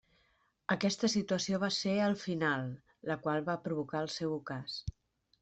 Aquesta situació va ser, al final, la qual va provocar el seu ocàs.